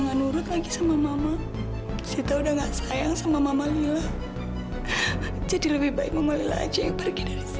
nggak nurut lagi sama mama kita udah enggak sayang sama mama lila jadi lebih baik mama mila aja yang pergi dari